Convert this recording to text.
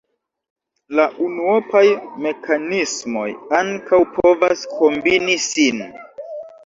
La unuopaj mekanismoj ankaŭ povas kombini sin.